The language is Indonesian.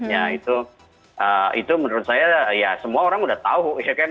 ya itu menurut saya ya semua orang sudah tahu ya kan